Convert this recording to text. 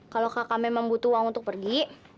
kalau kakak memang butuh uang untuk pergi